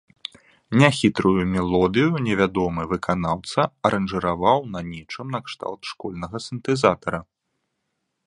Няхітрую мелодыю невядомы выканаўца аранжыраваў на нечым накшталт школьнага сінтэзатара.